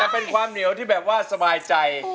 เป็นความเหนียวที่สบายใจ